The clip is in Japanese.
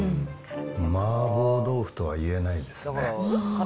麻婆豆腐とは言えないですね。